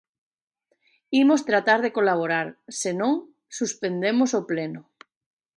Imos tratar de colaborar, se non, suspendemos o pleno.